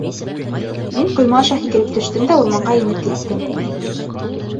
Мин ҡойма аша һикереп төштөм дә урманға инеп киттем.